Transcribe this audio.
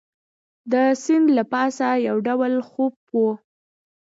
د سیند له پاسه یو ډول خوپ وو.